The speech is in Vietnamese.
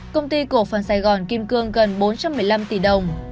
công ty cổ phần sài gòn kim cương gần bốn trăm một mươi năm tỷ đồng